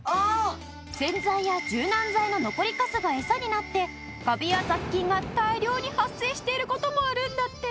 洗剤や柔軟剤の残りカスがエサになってカビや雑菌が大量に発生している事もあるんだって。